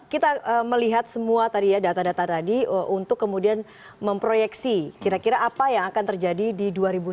kita melihat semua tadi ya data data tadi untuk kemudian memproyeksi kira kira apa yang akan terjadi di dua ribu sembilan belas